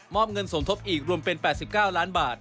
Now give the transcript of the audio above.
อบเงินสมทบอีกรวมเป็น๘๙ล้านบาท